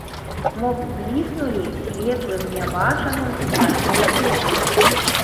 Мо б бліснулі светлым нябачаным ясныя перлы?